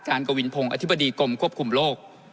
กวินพงศ์อธิบดีกรมควบคุมโรค